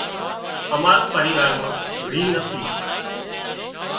امارا پريوار مان ريهَه نٿِي